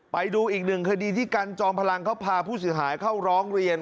ไปดูอีก๑คดีที่การจอมพลังเขาพาผู้สื่อหายเข้าร้องเรียน